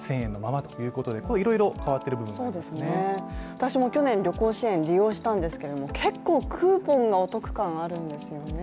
私も去年旅行支援、利用したんですけれども結構クーポンがお得感があるんですよね。